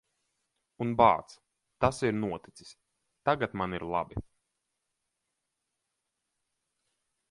Un, bāc, tas ir noticis. Tagad man ir labi.